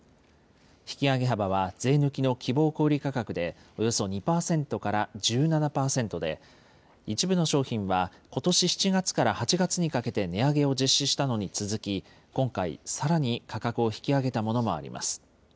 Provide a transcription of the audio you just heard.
引き上げ幅は税抜きの希望小売価格でおよそ２％から１７％で、一部の商品はことし７月から８月にかけて値上げを実施したのに続き、今回、さらに価格を引き上げたものもあります。